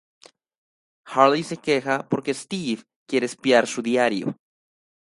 Hayley se queja porque Steve quiere espiar su diario.